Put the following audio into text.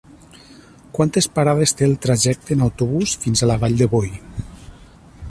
Quantes parades té el trajecte en autobús fins a la Vall de Boí?